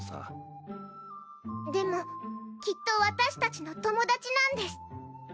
でもきっと私たちの友達なんです。